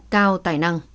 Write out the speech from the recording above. cao tài năng